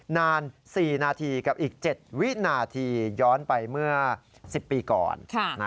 นาน๔นาทีกับอีก๗วินาทีย้อนไปเมื่อ๑๐ปีก่อน